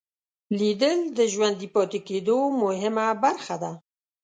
لیدل د ژوندي پاتې کېدو مهمه برخه ده